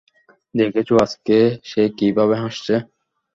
দেখেছো আজকে সে কিভাবে হাসছে।